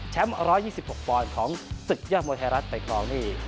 ๑๒๖ปอนด์ของศึกยอดมวยไทยรัฐไปครองนี่